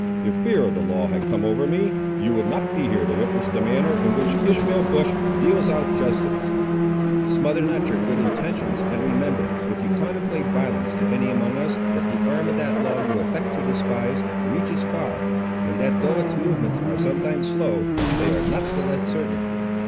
If fear of the law had come over me, you would not be here to witness the manner in which Ishmael Bush deals out justice." "Smother not your good intentions; and remember, if you contemplate violence to any among us, that the arm of that law you affect to despise, reaches far, and that though its movements are sometimes slow, they are not the less certain!"